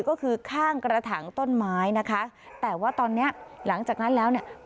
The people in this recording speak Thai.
ก็คือข้างกระถางต้นไม้นะคะแต่ว่าตอนเนี้ยหลังจากนั้นแล้วเนี่ย